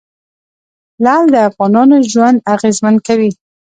لعل د افغانانو ژوند اغېزمن کوي.